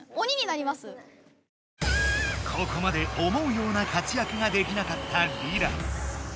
ここまで思うような活やくができなかったリラ。